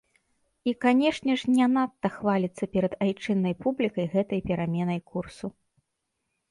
І, канешне ж, не надта хваліцца перад айчыннай публікай гэтай пераменай курсу.